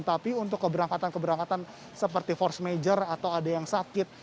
tapi untuk keberangkatan keberangkatan seperti force major atau ada yang sakit